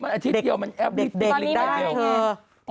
อาทิตย์เดียวมันแอบนี้ได้เลย